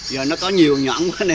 giờ nó có nhiều nhãn quá này